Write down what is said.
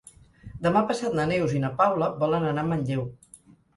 Demà passat na Neus i na Paula volen anar a Manlleu.